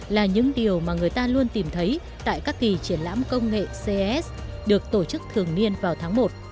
là những điều mà người ta luôn tìm thấy tại các kỳ triển lãm công nghệ ces được tổ chức thường niên vào tháng một